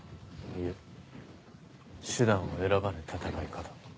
いえ手段を選ばぬ戦い方